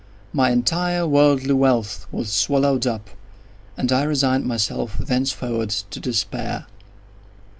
My entire worldly wealth was swallowed up, and I resigned myself thenceforward to despair.